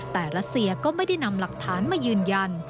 แต่รัสเซียก็ไม่ได้นำหลักฐานมายืนยัน